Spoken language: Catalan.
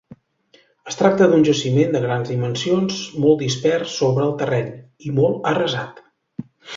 Es tracta d'un jaciment de grans dimensions, molt dispers sobre el terreny, i molt arrasat.